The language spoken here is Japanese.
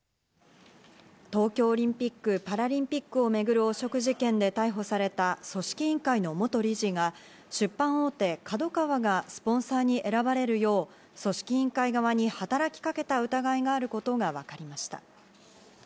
東京オリンピック・パラリンピックを巡る汚職事件で逮捕された組織委員会の元理事が、出版大手、ＫＡＤＯＫＡＷＡがスポンサーに選ばれるよう組織委員会側に働きかけた疑いがあることが分かりました。